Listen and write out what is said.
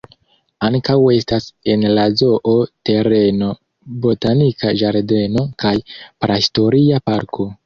Ankaŭ estas en la zoo-tereno botanika ĝardeno kaj prahistoria parko.